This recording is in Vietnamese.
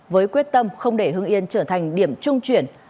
với quyết tâm không để hưng yên trở thành điểm trung chuyển